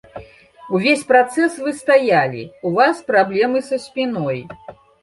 Увесь працэс вы стаялі, у вас праблемы са спіной.